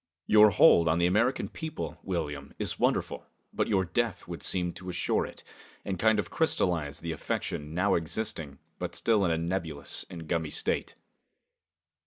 Your hold on the American people, William, is wonderful, but your death would seem to assure it, and kind of crystallize the affection now existing, but still in a nebulous and gummy state."